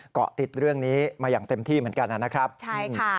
เกาะติดเรื่องนี้มาอย่างเต็มที่เหมือนกันนะครับใช่ค่ะ